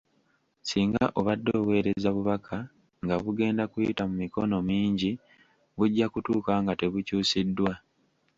Singa obadde oweereza bubaka nga bugenda kuyita mu mikono mingi bujja kutuuka nga tebukyusiddwa.